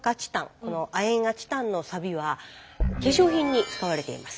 この亜鉛やチタンのサビは化粧品に使われています。